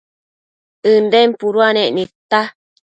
ënden puduanec nidta